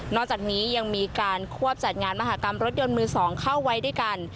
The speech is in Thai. จากนี้ยังมีการควบจัดงานมหากรรมรถยนต์มือ๒เข้าไว้ด้วยกัน